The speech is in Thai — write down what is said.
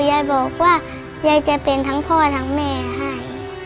ยายบอกว่ายายจะเป็นทั้งพ่อทั้งแม่ให้